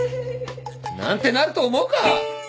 なんてなると思うか！